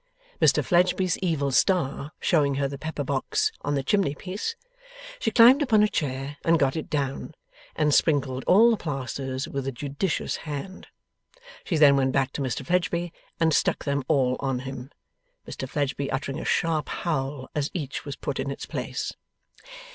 Mr Fledgeby's evil star showing her the pepper box on the chimneypiece, she climbed upon a chair, and got it down, and sprinkled all the plasters with a judicious hand. She then went back to Mr Fledgeby, and stuck them all on him: Mr Fledgeby uttering a sharp howl as each was put in its place.